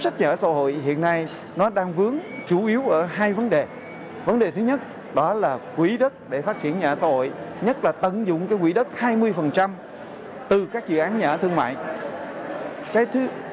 tổng dụng quỹ đất hai mươi từ các dự án nhà ở thương mại